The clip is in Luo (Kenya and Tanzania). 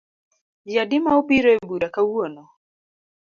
Ji adi ma obiro ebura kawuono?